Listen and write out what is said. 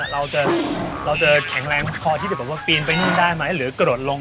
เราจะเราจะแข็งแรงพอที่จะแบบว่าปีนไปนู่นได้ไหมหรือกระโดดลง